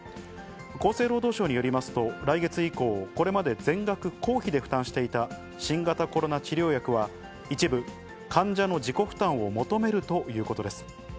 厚生労働省によりますと、来月以降、これまで全額公費で負担していた新型コロナ治療薬は一部、患者の自己負担を求めるということです。